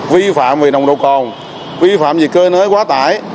vi phạm về nồng độ còn vi phạm về cơ nới quá tải